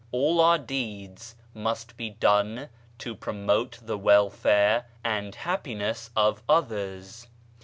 "All our deeds must be done to pro mote the welfare and happiness of others.